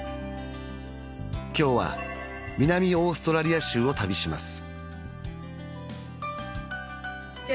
今日は南オーストラリア州を旅します